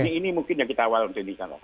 nah ini mungkin yang kita awal untuk dikatakan